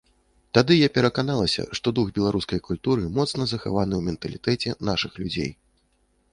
Тады я пераканалася, што дух беларускай культуры моцна захаваны ў менталітэце нашых людзей.